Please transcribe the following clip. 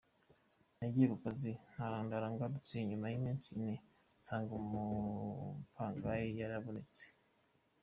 Nagiye mu kazi mu Ntara, ngarutse nyuma y’iminsi ine nsanga umupangayi yarabonetse.